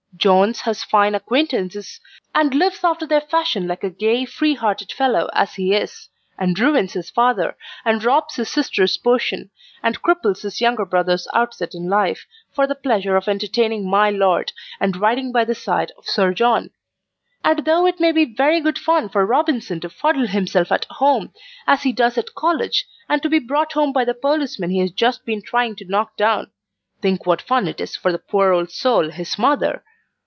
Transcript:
Jones has fine acquaintances, and lives after their fashion like a gay free hearted fellow as he is, and ruins his father, and robs his sister's portion, and cripples his younger brother's outset in life, for the pleasure of entertaining my lord, and riding by the side of Sir John. And though it may be very good fun for Robinson to fuddle himself at home as he does at College, and to be brought home by the policeman he has just been trying to knock down think what fun it is for the poor old soul his mother!